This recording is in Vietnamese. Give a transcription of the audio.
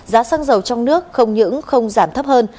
giá xăng dầu trong nước không những không giảm thấp hơn